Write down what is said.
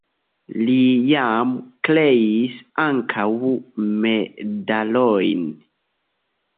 Li jam kreis ankaŭ medalojn.